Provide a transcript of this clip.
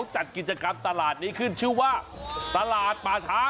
จริงตลาดนัดป่าช้าตลาดนัดป่าช้า